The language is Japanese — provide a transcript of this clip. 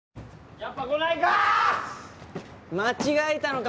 やっぱ来ないか！